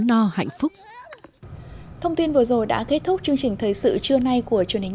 nó hạnh phúc